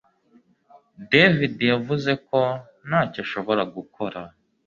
David yavuze ko ntacyo ashobora gukora